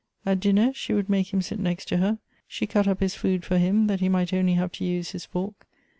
At dinner, she would make him sit next to her; she cut up his food for him, that he might only have to use his fork.